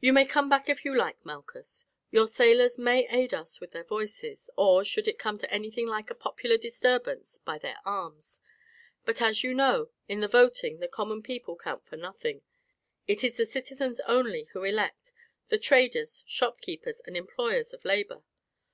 "You may come back if you like, Malchus; your sailors may aid us with their voices, or, should it come to anything like a popular disturbance, by their arms. But, as you know, in the voting the common people count for nothing, it is the citizens only who elect, the traders, shopkeepers, and employers of labour.